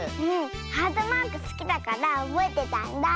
ハートマークすきだからおぼえてたんだあ。